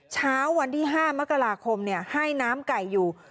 เช้าวันที่๕มกราคมให้น้ำไก่อยู่